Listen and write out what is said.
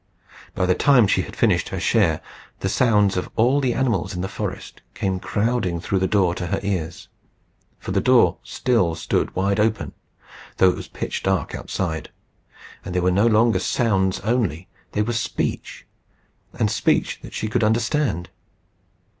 By the time she had finished her share, the sounds of all the animals in the forest came crowding through the door to her ears; for the door still stood wide open, though it was pitch dark outside; and they were no longer sounds only; they were speech, and speech that she could understand.